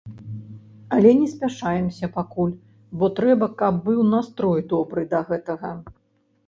Але не спяшаемся пакуль, бо трэба, каб быў настрой добры да гэтага.